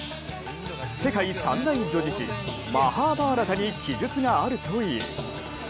世界三大叙事詩「マハーバーラタ」に記述があるという。